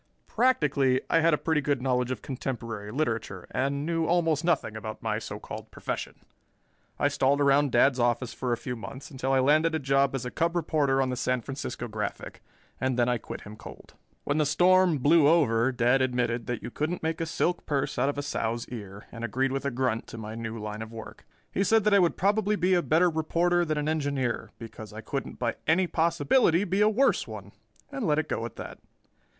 Practically I had a pretty good knowledge of contemporary literature and knew almost nothing about my so called profession. I stalled around Dad's office for a few months until I landed a job as a cub reporter on the San Francisco Graphic and then I quit him cold. When the storm blew over, Dad admitted that you couldn't make a silk purse out of a sow's ear and agreed with a grunt to my new line of work. He said that I would probably be a better reporter than an engineer because I couldn't by any possibility be a worse one, and let it go at that.